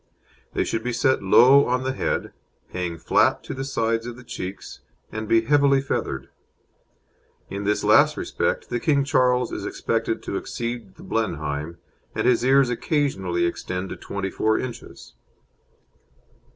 They should be set low on the head, hang flat to the sides of the cheeks, and be heavily feathered. In this last respect the King Charles is expected to exceed the Blenheim, and his ears occasionally extend to twenty four inches.